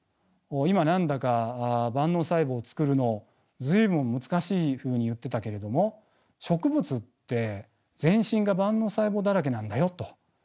今何だか万能細胞をつくるのを随分難しいふうに言ってたけれども植物って全身が万能細胞だらけなんだよと。